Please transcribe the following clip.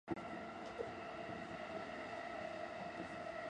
だそい ｈｓｄｇ ほ；いせるぎ ｌｈｓｇ